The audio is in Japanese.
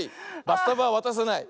バスタブはわたさない。